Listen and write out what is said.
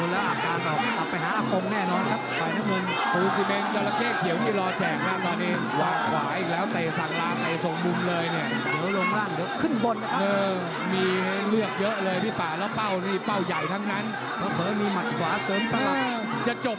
แล้วอาการก็ออกไปหาอากงแน่นอนครับ